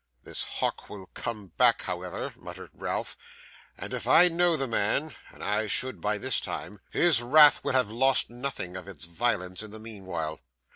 'This Hawk will come back, however,' muttered Ralph; 'and if I know the man (and I should by this time) his wrath will have lost nothing of its violence in the meanwhile.